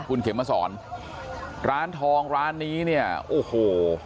คุณเข็มมาสอนร้านทองร้านนี้เนี่ยโอ้โห